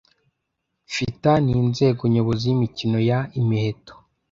FITA ninzego nyobozi yimikino ya imiheto